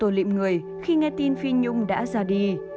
đồ lịm người khi nghe tin phi nhung đã ra đi